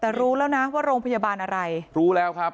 แต่รู้แล้วนะว่าโรงพยาบาลอะไรรู้แล้วครับ